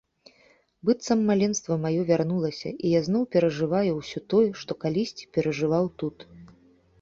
Быццам маленства маё вярнулася, і я зноў перажываю ўсё тое, што калісьці перажываў тут.